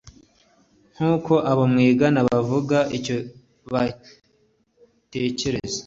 nk’uko abo mwigana bavuga icyo batekereza